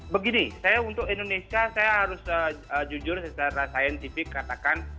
begini saya untuk indonesia saya harus jujur secara saintifik katakan